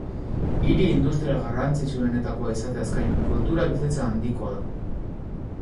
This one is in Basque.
Hiri industrial garrantzitsuenetakoa izateaz gain kultura bizitza handikoa da.